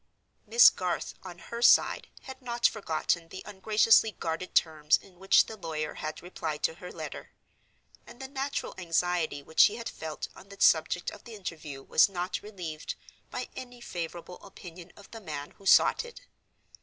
Miss Garth, on her side, had not forgotten the ungraciously guarded terms in which the lawyer had replied to her letter; and the natural anxiety which she had felt on the subject of the interview was not relieved by any favorable opinion of the man who sought it.